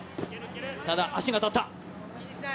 ただ、足が当たった。